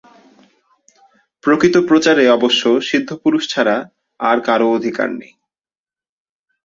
প্রকৃত প্রচারে অবশ্য সিদ্ধ পুরুষ ছাড়া আর কারও অধিকার নেই।